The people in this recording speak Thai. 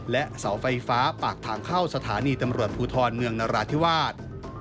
และเสาไฟฟ้าปากทางเข้าสถานีตำรวจภูทรเมืองนราธิวาส